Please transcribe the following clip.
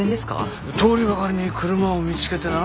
通りがかりに車を見つけてな。